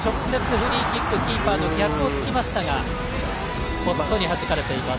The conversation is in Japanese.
フリーキックキーパーの逆を突きましたがポストにはじかれています。